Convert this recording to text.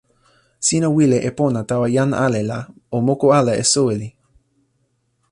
sina wile e pona tawa jan ale la o moku ala e soweli.